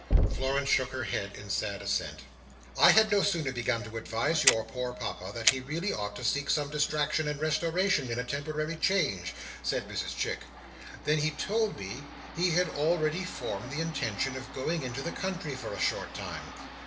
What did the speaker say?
Florence shook her head in sad assent. "I had no sooner begun to advise your poor Papa that he really ought to seek some distraction and restoration in a temporary change," said Mrs Chick, "than he told me he had already formed the intention of going into the country for a short time.